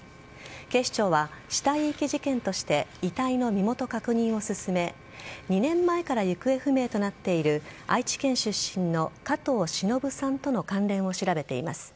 警視庁は、死体遺棄事件として遺体の身元確認を進め２年前から行方不明となっている愛知県出身の加藤しのぶさんとの関連を調べています。